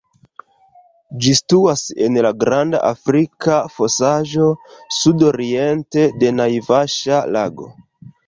Ĝi situas en la Granda Afrika Fosaĵo, sudoriente de Naivaŝa-lago.